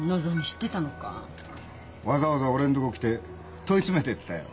わざわざ俺んとこ来て問い詰めてったよ。